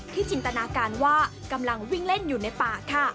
จินตนาการว่ากำลังวิ่งเล่นอยู่ในป่าค่ะ